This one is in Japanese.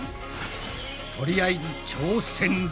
とりあえず挑戦だ。